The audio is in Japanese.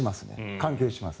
関係します。